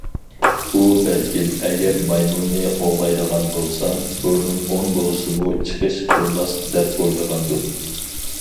ئۇ بەلكىم:« ئەگەر مايمۇننى قوغلايدىغان بولسام، بۇرنۇم ئون بولسىمۇ چىقىش قىلماس» دەپ ئويلىغاندۇ.